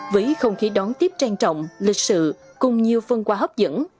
với không khí đón tiếp trang trọng lịch sự cùng nhiều phân quà hấp dẫn